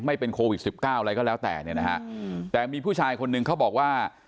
ไม่เป็นโควิด๑๙อะไรก็แล้วแต่แต่มีผู้ชายคนหนึ่งเขาบอกว่า